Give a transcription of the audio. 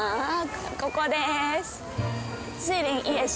ここです。